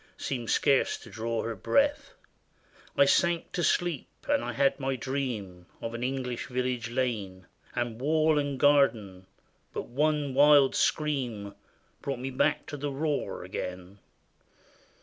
Seemed scarce to draw her breath. I sank to sleep, and I had my dream Of an English village lane. And wall and garden ;— but one wild scream Brought me back to the roar again.